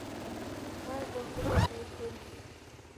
W'arwa nguw'o ra igunia.